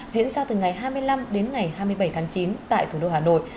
diễn ra từ ngày hai mươi năm đến ngày hai mươi bảy tháng chín tại thủ đô hà nội